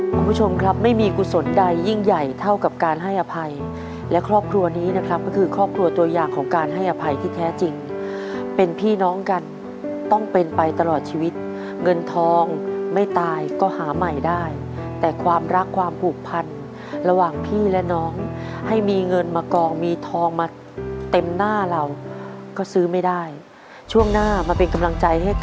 มีที่สุขมีที่สุขมีที่สุขมีที่สุขมีที่สุขมีที่สุขมีที่สุขมีที่สุขมีที่สุขมีที่สุขมีที่สุขมีที่สุขมีที่สุขมีที่สุขมีที่สุขมีที่สุขมีที่สุขมีที่สุขมีที่สุขมีที่สุขมีที่สุขมีที่สุขมีที่สุขมีที่สุขมีที่สุขมีที่สุขมีที่สุขมีที่ส